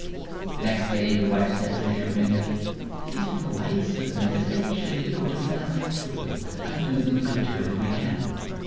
The next day the wife said to the shoemaker. 'These little wights have made us rich, and we ought to be thankful to them, and do them a good turn if we can.